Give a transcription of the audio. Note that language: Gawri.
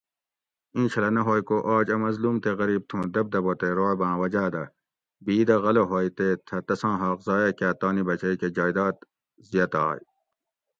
اِیں چھلہ نہ ھوئ کو آج اَ مظلوم تے غریب تھُوں دبدبہ تے رعباۤں وجاۤ دہ بِھیدہ غلہ ھوئی تے تھہ تساں حاق ضائع کاۤ تانی بچئی کہ جائیداد زیتائی